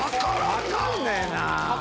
分かんねえなぁ。